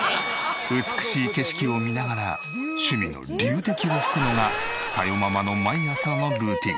美しい景色を見ながら趣味の龍笛を吹くのが紗代ママの毎朝のルーティン。